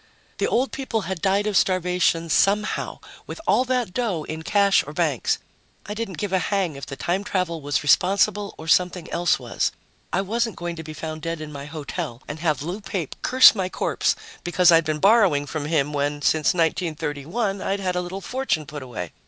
The old people had died of starvation somehow with all that dough in cash or banks. I didn't give a hang if the time travel was responsible, or something else was. I wasn't going to be found dead in my hotel and have Lou Pape curse my corpse because I'd been borrowing from him when, since 1931, I'd had a little fortune put away.